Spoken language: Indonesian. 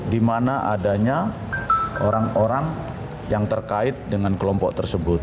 di mana adanya orang orang yang terkait dengan kelompok tersebut